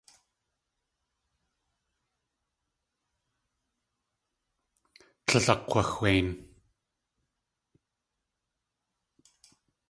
Tlél akg̲waxwein.